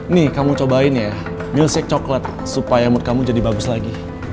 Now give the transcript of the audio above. nih kamu cobain ya mulsic coklat supaya mood kamu jadi bagus lagi